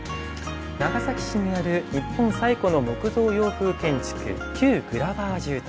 長崎市にある日本最古の木造洋風建築旧グラバー住宅。